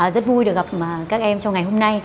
rất vui được gặp các em trong ngày hôm nay